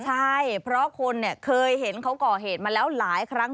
ใช่เพราะคนเนี่ยเคยเห็นเขาก่อเหตุมาแล้วหลายครั้ง